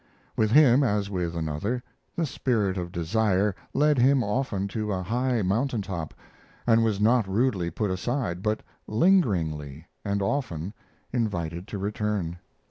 With him, as with another, the spirit of desire led him often to a high mountain top, and was not rudely put aside, but lingeringly and often invited to return.